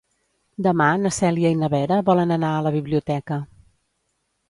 Demà na Cèlia i na Vera volen anar a la biblioteca.